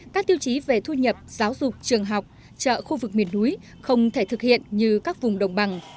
các tiêu chí về thu nhập giáo dục trường học chợ khu vực miền núi không thể thực hiện như các vùng đồng bằng